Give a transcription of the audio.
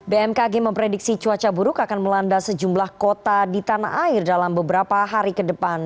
bmkg memprediksi cuaca buruk akan melanda sejumlah kota di tanah air dalam beberapa hari ke depan